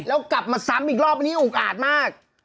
แล้วกลับมาซ้ำอีกรอบอันนี้อุกอาดมาก